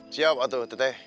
siap atu teh teh